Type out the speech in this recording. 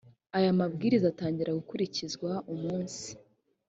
aya mabwiriza atangira gukurikizwa umunsi